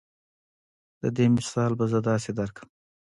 د دې مثال به زۀ داسې درکړم